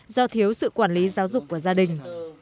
do thiếu sự quản lý giáo dục của gia đình